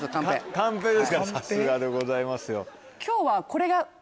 カンペですかさすがでございますよ。